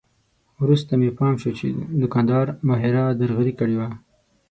وروسته مې پام شو چې دوکاندار ماهره درغلي کړې وه.